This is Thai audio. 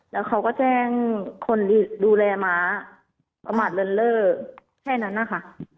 แล้วเขาก็แจ้งคนดูแลม้าประมาทเลินเล่อแค่นั้นนะคะ